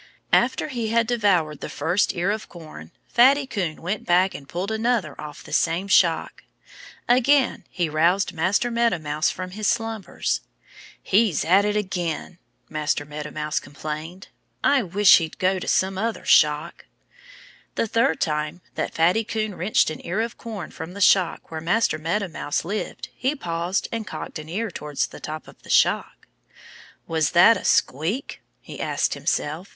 After he had devoured the first ear of corn, Fatty Coon went back and pulled another off the same shock. Again he roused Master Meadow Mouse from his slumbers. "He's at it again!" Master Meadow Mouse complained. "I wish he'd go to some other shock." The third time that Fatty Coon wrenched an ear of corn from the shock where Master Meadow Mouse lived he paused and cocked an ear towards the top of the shock. "Was that a squeak?" he asked himself.